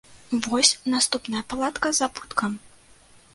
Вось наступная палатка з абуткам.